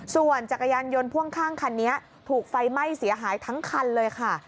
ส่วนจักรยานยนต์พ่วงข้างคันนี้ถูกไฟไหม้เสียหายทั้งคันเลยค่ะ